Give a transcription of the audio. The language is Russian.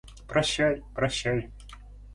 Прощай, прощай.